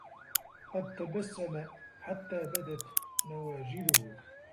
قَدْ تَبَسَّمَ حَتَّى بَدَتْ نَوَاجِذُهُ